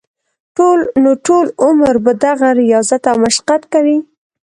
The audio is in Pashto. نو ټول عمر به دغه رياضت او مشقت کوي -